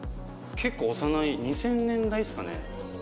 結構幼い２０００年代っすかね？